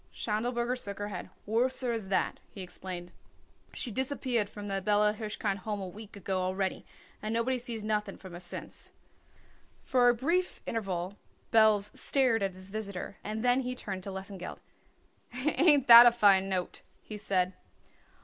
Schindelberger shook his head. "Worser as that," he explained. "She disappeared from the Bella Hirshkind Home a week ago already and nobody sees nothing from her since." For a brief interval Belz stared at his visitor and then he turned to Lesengeld. "Ain't that a fine note?" he said.